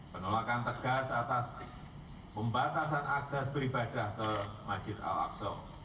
penolakan tegas atas pembatasan akses beribadah ke masjid al aqsa